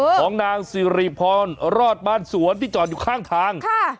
ของนางสิริพรรอดบ้านสวนที่จอดอยู่ข้างทาง